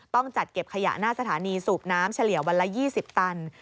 ต้องจัดเก็บขยะหน้าสถานีสูบน้ำเฉลี่ยวันละ๒๐ตัน